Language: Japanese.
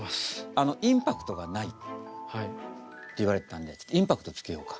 あのインパクトがないって言われてたんでインパクトつけようか。